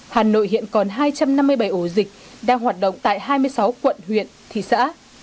hà nội hiện còn hai trăm năm mươi bảy ổ dịch đang hoạt động tại hai mươi sáu quận huyện thị xã